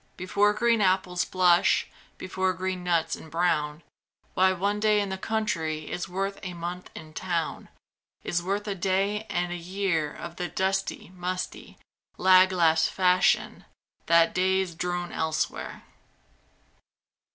Before green apples blush, Before green nuts embrown, Why, one day in the country Is worth a month in town; Is worth a day and a year Of the dusty, musty, lag last fashion That days drone elsewhere.